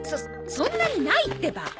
そんなにないってば。